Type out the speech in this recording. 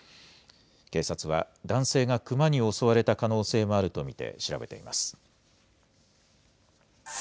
警察は男性がクマに襲われた可能性もあると見て調べています。